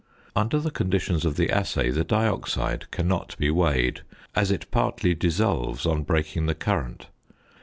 Under the conditions of the assay the dioxide cannot be weighed, as it partly dissolves on breaking the current.